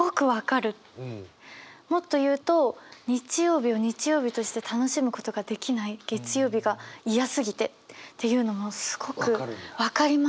もっと言うと「日曜日を日曜日として楽しむ事ができない」月曜日が嫌すぎてっていうのもすごく分かります。